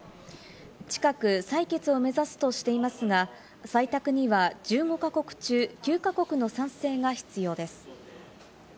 近く採決を目指すとしていますが、採択には１５か国中、９か国の賛成が必要です。